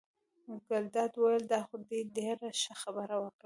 ګلداد وویل: دا خو دې ډېره ښه خبره وکړه.